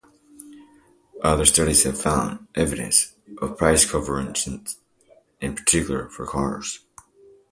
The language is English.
Other studies have found evidence of price convergence, in particular for cars.